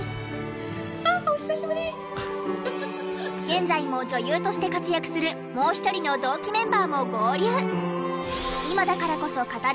現在も女優として活躍するもう一人の同期メンバーも合流！